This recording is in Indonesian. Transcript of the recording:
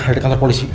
ada kantor polisi